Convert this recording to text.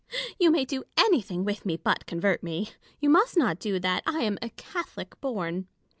You may do anything with me but convert me : you must not do that ; I am a Catholic born.